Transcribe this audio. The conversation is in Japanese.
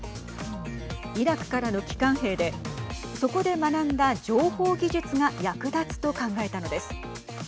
イラクからの帰還兵でそこで学んだ情報技術が役立つと考えたのです。